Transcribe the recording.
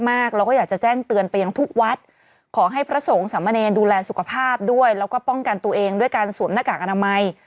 เราก็อยากจะแจ้งเตือนไปยังทุกวัดขอให้พระสงฆ์สามเณรดูแลสุขภาพด้วยแล้วก็ป้องกันตัวเองด้วยการสวมหน้ากากอนามัย